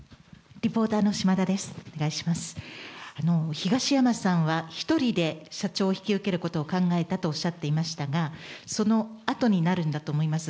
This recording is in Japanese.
東山さんは１人で社長を引き受けることを考えたとおっしゃっていましたが、そのあとになるんだと思います。